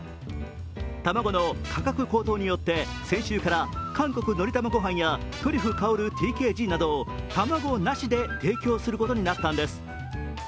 卵の価格高騰によって先週から韓国のり玉ご飯やトリュフ香るＴＫＧなど卵なしで提供することになったんです。